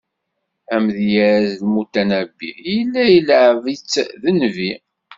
Amedyaz Lmutanabbi, yella ileɛɛeb-itt d nnbi.